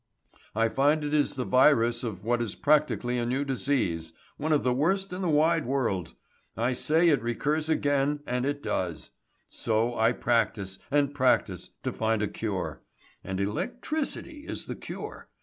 "I find it is the virus of what is practically a new disease, one of the worst in the wide world. I say it recurs again, and it does. So I practise, and practise to find a cure. And electricity is the cure.